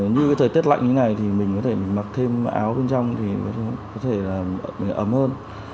như cái thời tiết lạnh như này thì mình có thể mình mặc thêm áo bên trong thì có thể là ấm hơn